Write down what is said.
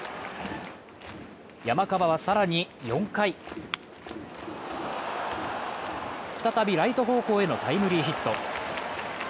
山川は更に４回再びライト方向へのタイムリーヒット。